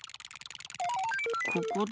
ここで？